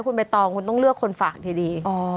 คุณใบตองคุณต้องเลือกคนฝากทีดี